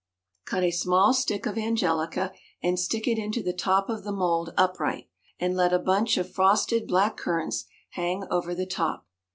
Cut a small stick of angelica and stick it into the top of the mould upright, and let a bunch of frosted black currants hang over the top.